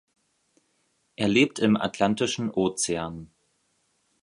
Er lebt im Atlantischen Ozean.